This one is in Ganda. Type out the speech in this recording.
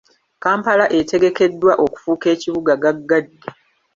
Kampala etegekeddwa okufuuka ekibuga gaggadde.